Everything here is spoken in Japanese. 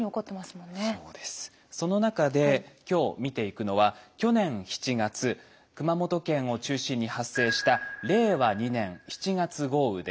その中で今日見ていくのは去年７月熊本県を中心に発生した令和２年７月豪雨です。